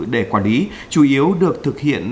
để quản lý chủ yếu được thực hiện